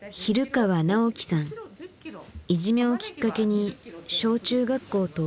いじめをきっかけに小中学校と不登校だった。